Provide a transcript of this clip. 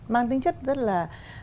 mang tính chất rất là